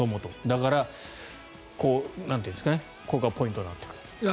だから、ここがポイントになってくるという。